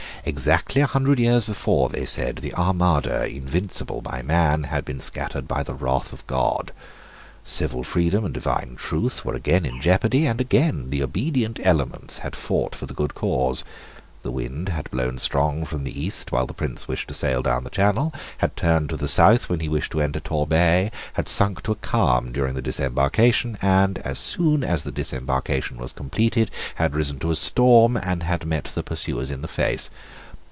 Exactly a hundred years before, they said, the Armada, invincible by man, had been scattered by the wrath of God. Civil freedom and divine truth were again in jeopardy; and again the obedient elements had fought for the good cause. The wind had blown strong from the east while the Prince wished to sail down the Channel, had turned to the south when he wished to enter Torbay, had sunk to a calm during the disembarkation, and, as soon as the disembarkation was completed, had risen to a storm, and had met the pursuers in the face.